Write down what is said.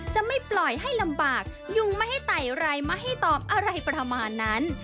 จะไม่ปล่อยให้ลำบากยุงไม่ให้ไต่ไรไม่ให้ตอบอะไรประมาณนั้น